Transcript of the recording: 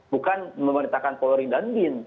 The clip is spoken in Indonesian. bukan memerintahkan kapolri dan din